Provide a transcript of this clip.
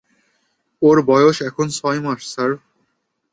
ওর বয়স এখন ছয় মাস, স্যার।